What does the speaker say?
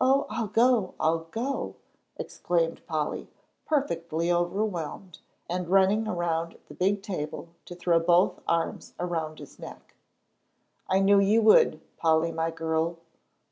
"Oh, I'll go, I'll go!" exclaimed Polly, perfectly overwhelmed, and running around the big table to throw both arms around his neck. "I knew you would, Polly my girl.